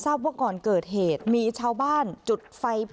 อันดับที่สุดท้าย